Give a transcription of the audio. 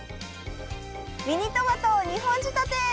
ミニトマト２本仕立て。